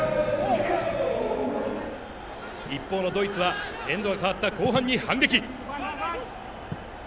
一方のドイツはエンドが変わった後半に反撃。